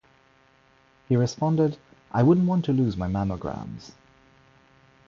He responded: I wouldn't want to lose my mammograms.